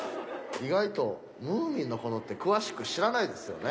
意外と『ムーミン』の事って詳しく知らないですよね？